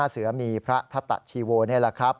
เสือมีพระทัตตะชีโวนี่แหละครับ